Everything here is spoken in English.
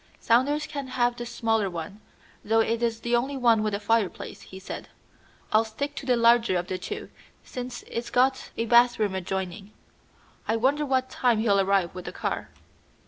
"Saunders can have the smaller one, though it is the only one with a fireplace," he said. "I'll stick to the larger of the two, since it's got a bathroom adjoining. I wonder what time he'll arrive with the car."